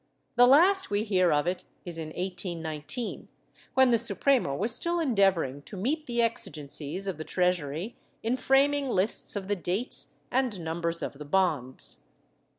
The last we hear of it is in 1819, when the Suprema was still endeavoring to meet the exigencies of the Treasury in framing lists of the dates and numbers of the bonds.'